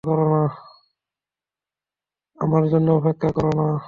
আমার জন্য অপেক্ষা করো না!